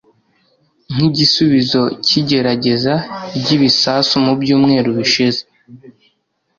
nk’igisubizo cy’igerageza ry’ibisasu mu byumweru bishize